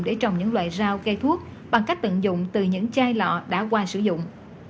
để trồng những loại rau cây thuốc bằng cách tận dụng từ những chai lọ đã qua sử dụng